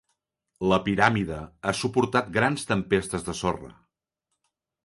La piràmide ha suportat grans tempestes de sorra.